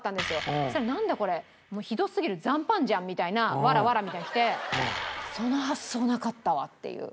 そしたら「なんだ？これ」「ひどすぎる」「残飯じゃん」みたいな「ｗｗ」みたいなのが来てその発想なかったわっていう。